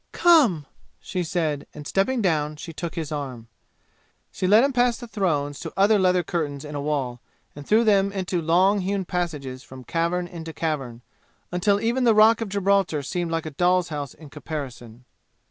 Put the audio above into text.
"Come!" she said, and stepping down she took his arm. She led him past the thrones to other leather curtains in a wall, and through them into long hewn passages from cavern into cavern, until even the Rock of Gibraltar seemed like a doll's house in comparison.